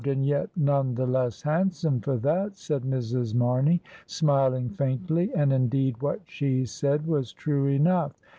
and yet none the less handsome for that," said Mrs. Mamey, smiling faintly, and indeed what she said was true enough.